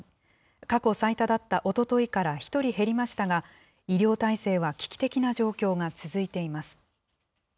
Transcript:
過去最多だったおとといから１人減りましたが、医療体制は危機的な状況が続いています。